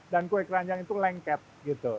dan kue keranjang itu lengket gitu